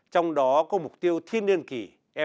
trong đó có mục tiêu thiên niên kỳ